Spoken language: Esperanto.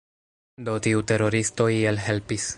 Do, tiu teroristo iel helpis